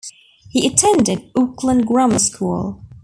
He attended Auckland Grammar school.